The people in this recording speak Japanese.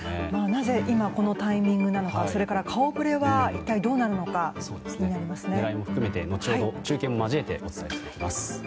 なぜ今このタイミングなのかそれから顔ぶれは一体どうなるのか狙いも含めて後ほど中継も交えてお伝えします。